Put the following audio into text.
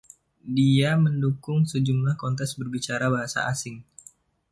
Dia mendukung sejumlah kontes berbicara bahasa asing.